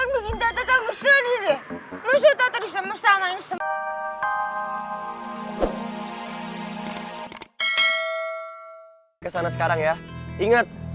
lu bikin tata tanggung sendiri deh